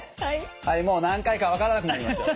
はいもう何回か分からなくなりました。